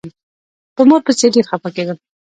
په مور پسې ډېر خپه کېدم.